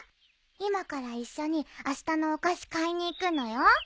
今から一緒にあしたのお菓子買いに行くのよ。